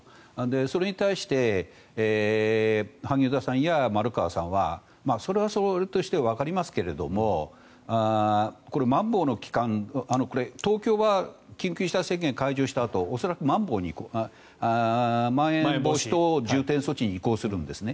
それに対して萩生田さんや丸川さんはそれはそれとしてわかりますけどもこれ、まん防の期間東京は緊急事態宣言解除したあと恐らくまん延防止等重点措置に移行するんですね。